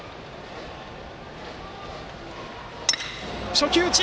初球打ち！